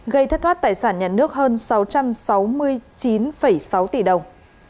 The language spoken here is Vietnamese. gây thất thoát tài sản nhà nước hơn sáu trăm sáu mươi chín sáu tỷ đồng